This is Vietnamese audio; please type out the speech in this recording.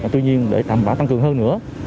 tuy nhiên để tạm bảo tăng cường hơn nữa